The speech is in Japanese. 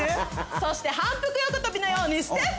そして反復横跳びのようにステップ！